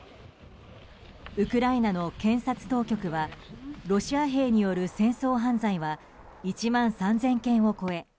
ウクライナの検察当局はロシア兵による戦争犯罪は１万３０００件を超え